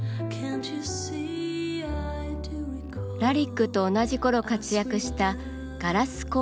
ラリックと同じ頃活躍したガラス